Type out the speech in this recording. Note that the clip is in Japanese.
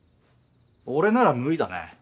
俺なら無理だね。